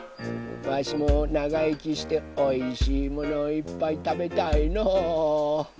わしもながいきしておいしいものをいっぱいたべたいのう。